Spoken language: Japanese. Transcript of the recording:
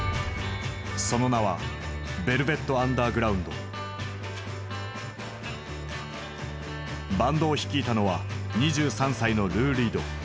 その名はバンドを率いたのは２３歳のルー・リード。